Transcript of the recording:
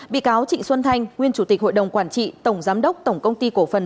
bị cáo trịnh xuân thanh nguyên chủ tịch hội đồng quản trị tổng giám đốc tổng công ty cổ phần